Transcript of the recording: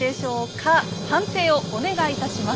判定をお願いいたします。